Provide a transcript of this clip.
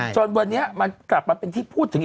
จนวันนี้มันกลับมาเป็นที่พูดถึง